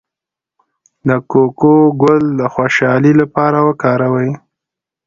د کوکو ګل د خوشحالۍ لپاره وکاروئ